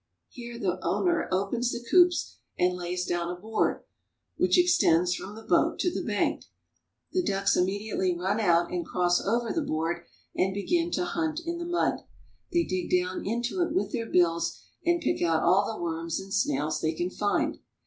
Here the owner opens the coops and lays down a board which extends from the boat to the bank. The ducks immedi ately run out and cross over the board and begin to hunt in the mud. They dig down into it with their bills and pick out all the worms and snails they can find.